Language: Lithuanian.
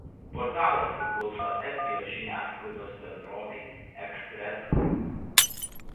Portalas priklauso Estijos žiniasklaidos bendrovei „Ekspress Grupp“.